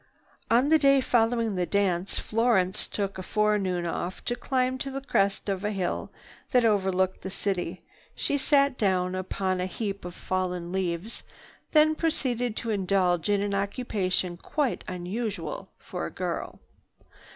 On the day following the dance, Florence took a forenoon off to climb to the crest of a hill that overlooked the city. She sat herself down upon a heap of fallen leaves, then proceeded to indulge in an occupation quite unusual for a girl.